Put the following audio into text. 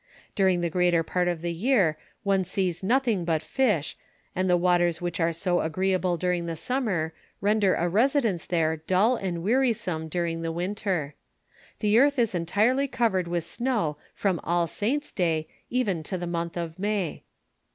During the greater part of the year one sees nothing but fish, and the waters which are so agreeable during the summer render a residence there dull and wearisome du ring the winter. The earth is entirely covered with snow from All Saints' day even to the month of May.